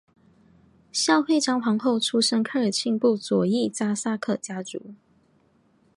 孝惠章皇后出身科尔沁部左翼扎萨克家族。